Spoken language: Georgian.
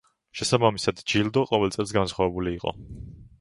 შესაბამისად ჯილდო ყოველ წელს განსხვავებული იყო.